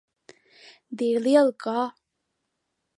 Dir-li el cor.